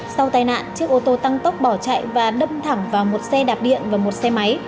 sau tai nạn chiếc ô tô tăng tốc bỏ chạy và đâm thẳng vào một xe đạp điện và một xe máy